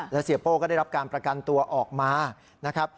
และเสียโป้ก็ได้รับการประกันตัวออกมา